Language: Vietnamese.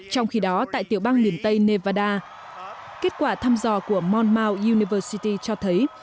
trong khi đó tại tiểu bang miền tây nevada kết quả thăm dò của monmouth university cho thấy